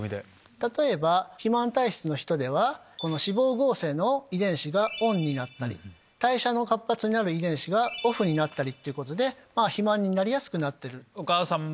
例えば肥満体質の人では脂肪合成の遺伝子がＯＮになったり代謝の活発になる遺伝子がＯＦＦになったり肥満になりやすくなってる。